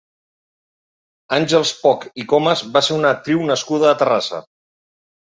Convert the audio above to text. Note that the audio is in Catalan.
Àngels Poch i Comas va ser una actriu nascuda a Terrassa.